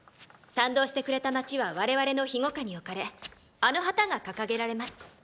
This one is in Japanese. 賛同してくれた街は我々の庇護下に置かれあの旗が掲げられます。